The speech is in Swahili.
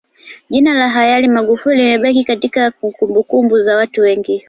jina la hayari magufuli limebaki katika kumbukumbu za watu wengi